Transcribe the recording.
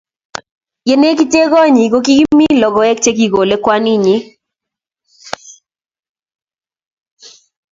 Ye negite konyi kokimi logoek chekikole kwaninyi